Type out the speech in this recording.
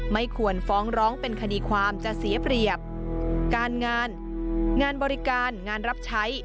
ไม่ควรฟ้องร้องเป็นคดีความจะเสียเปรียบการงานงานบริการงานรับใช้